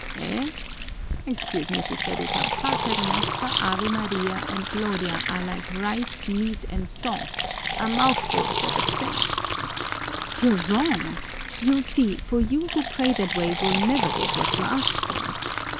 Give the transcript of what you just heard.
"Eh? Excuse me, Sister Rufa: paternoster, Ave Maria, and Gloria are like rice, meat, and sauce a mouthful for the saints " "You're wrong! You'll see, for you who pray that way will never get what you ask for."